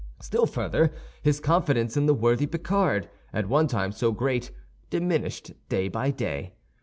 Still further, his confidence in the worthy Picard, at one time so great, diminished day by day.